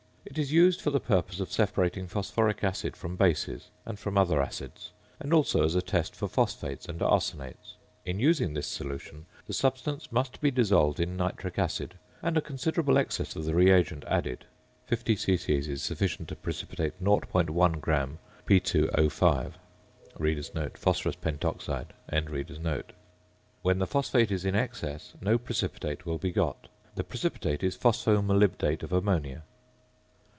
It is used for the purpose of separating phosphoric oxide from bases and from other acids, and also as a test for phosphates and arsenates. In using this solution the substance must be dissolved in nitric acid, and a considerable excess of the reagent added (50 c.c. is sufficient to precipitate 0.1 gram P_O_); when the phosphate is in excess no precipitate will be got. The precipitate is phospho molybdate of ammonia.